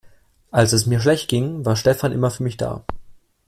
Als es mir schlecht ging, war Stefan immer für mich da.